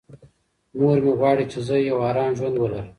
مور مې غواړي چې زه یو ارام ژوند ولرم.